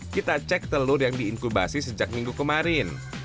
kita cek telur yang diinkubasi sejak minggu kemarin